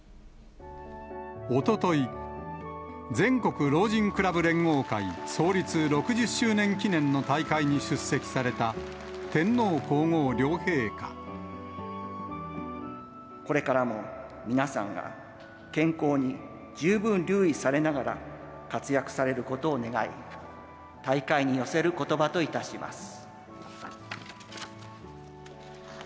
おととい、全国老人クラブ連合会創立６０周年記念の大会に出席された、これからも、皆さんが健康に十分留意されながら、活躍されることを願い、大会に寄せることばといたします。